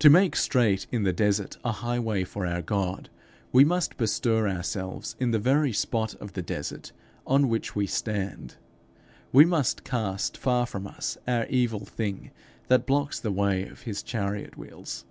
To make straight in the desert a highway for our God, we must bestir ourselves in the very spot of the desert on which we stand; we must cast far from us our evil thing that blocks the way of his chariot wheels.